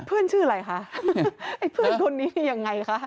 เพื่อนชื่ออะไรคะไอ้เพื่อนคนนี้นี่ยังไงคะ